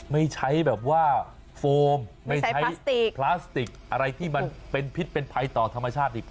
ไม่ใช้แบบว่าโฟมไม่ใช้พลาสติกอะไรที่มันเป็นพิษเป็นภัยต่อธรรมชาติอีก